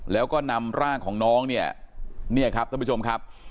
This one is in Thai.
แล้วก็นำร่างของน้องเนี่ยเนี่ยครับท่านผู้ชมครับ